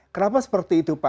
kenapa seperti itu pak